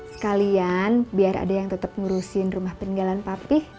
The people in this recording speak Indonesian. sekalian biar ada yang tetap ngurusin rumah peninggalan papih